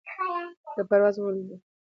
له پروازه وه لوېدلي شهپرونه